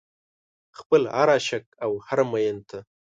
خپل هر عاشق او هر مين ته